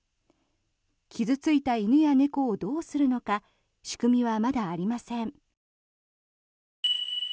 傷付いた犬や猫をどうするのか仕組みはまだありません。